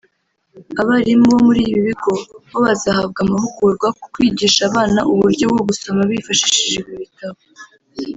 Abarimu bo muri ibi bigo bo bazahabwa amahugurwa ku kwigisha abana uburyo bwo gusoma bifashishije ibi bitabo